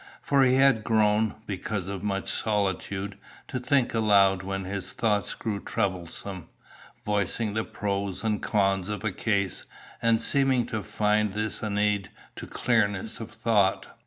For he had grown, because of much solitude, to think aloud when his thoughts grew troublesome, voicing the pros and cons of a case, and seeming to find this an aid to clearness of thought.